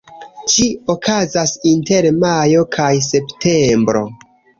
Ĝi okazas inter majo kaj septembro.